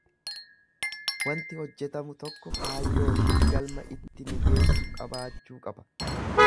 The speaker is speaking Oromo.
Wanti hojjetamu tokko kaayyoofi galma itti nu geessu qabaachuu qaba.